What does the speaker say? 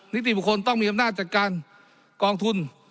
นิติบุคคลต้องมีอำนาจจัดการกองทุน